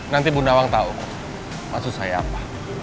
nanti bunda wang tahu maksud saya apa